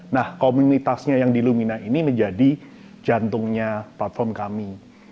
nah komunitasnya yang di lumina ini menjadi jantungnya platform kami